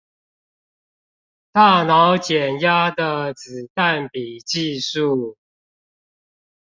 大腦減壓的子彈筆記術